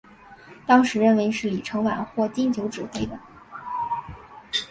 当时认为是李承晚或金九指挥的。